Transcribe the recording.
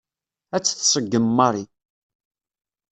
Ad tt-tṣeggem Mary.